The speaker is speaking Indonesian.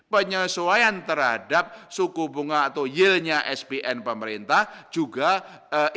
penyesuaian terhadap suku bunga atau yieldnya spn pemerintah juga ikut